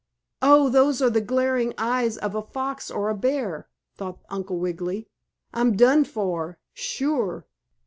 "Oh, those are the glaring eyes of the fox or bear!" thought Uncle Wiggily. "I'm done for, sure!"